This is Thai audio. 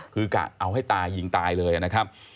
คือกะเอาให้ตายยิงตายเลยนะครับ